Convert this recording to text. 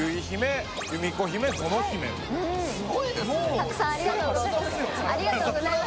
たくさんありがとうございます。